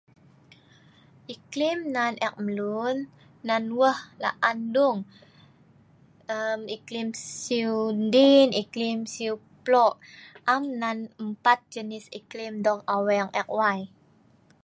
Iklim nan eek mlun...nan weh laan dung, erm..iklim siu diin, iklim siu plok, am nan empat jenis iklim dong aweng eek wai